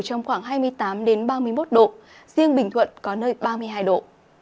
trong khoảng hai mươi tám ba mươi một độ riêng bình thuận có nơi ba mươi hai độ